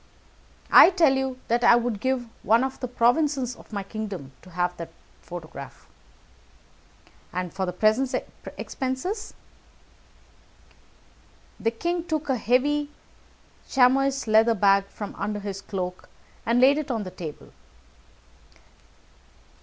"I tell you that I would give one of the provinces of my kingdom to have that photograph." "And for present expenses?" The king took a heavy chamois leather bag from under his cloak, and laid it on the table.